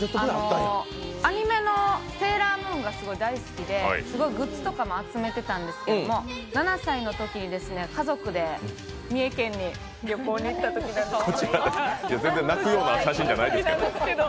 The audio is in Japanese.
アニメの「セーラームーン」がすごい大好きですごいグッズとかも集めてたんですけど、７歳のときに家族で三重県に旅行に行ったときのことなんですけど。